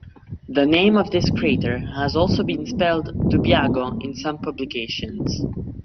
The name of this crater has also been spelled "Dubiago" in some publications.